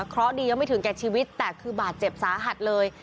เพราะดียังไม่ถึงแก่ชีวิตแต่คือบาดเจ็บสาหัสเลย